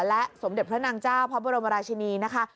และสมเด็จพระนางเจ้าพระบรมราชินีนะคะ